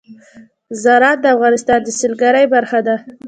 زراعت د افغانستان د سیلګرۍ برخه ده.